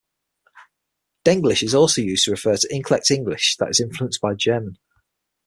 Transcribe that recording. Denglish is also used to refer to incorrect English that is influenced by German.